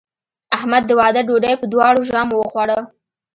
احمد د واده ډوډۍ په دواړو ژامو وخوړه.